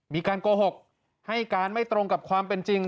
มีการโกหกให้การไม่ตรงกับความเป็นจริง